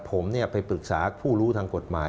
ผมไปปรึกษาผู้รู้ทางกฎหมาย